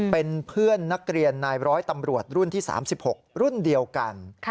เป็นเพื่อนนักเรียนนายร้อยตำรวจรุ่นที่๓๖รุ่นเดียวกัน